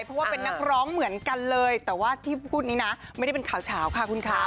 เพราะว่าเป็นนักร้องเหมือนกันเลยแต่ว่าที่พูดนี้นะไม่ได้เป็นข่าวเฉาค่ะคุณคะ